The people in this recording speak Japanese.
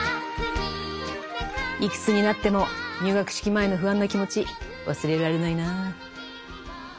いくつになっても入学式前の不安な気持ち忘れられないなぁ。